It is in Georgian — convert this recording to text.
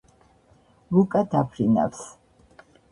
ლუკა დაფრინავს